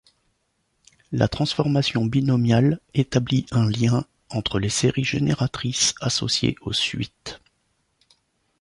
La transformation binomiale établit un lien entre les séries génératrices associées aux suites.